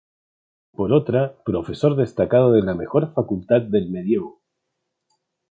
Por otra, profesor destacado de la mejor Facultad del medievo.